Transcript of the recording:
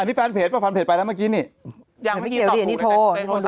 อันนี้แฟนเพจว่าแฟนเพจไปแล้วเมื่อกี้นี่ยังไม่เกี่ยวดินี่โทร